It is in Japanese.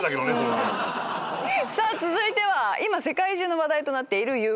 さあ続いては今世界中の話題となっているＵＦＯ。